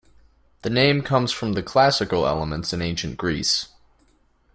The name comes from the classical elements in ancient Greece.